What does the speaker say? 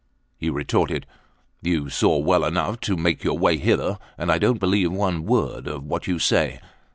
He retorted: "You saw well enough to make your way hither, and I don't believe one word of what you say."